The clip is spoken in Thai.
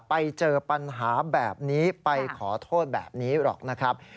ไปเจอปัญหาแบบนี้ไปขอโทษแบบนี้หรอกนะครับ